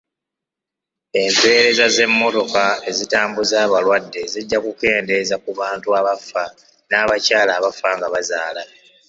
Empereza z'emmotoka ezitambuza abalwadde zijja kukendeeza ku bantu abafa n'abakyala abafa nga bazaala.